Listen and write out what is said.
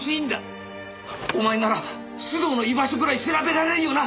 お前なら須藤の居場所ぐらい調べられるよな！？